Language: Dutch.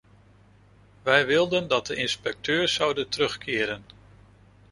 Wij wilden dat de inspecteurs zouden terugkeren.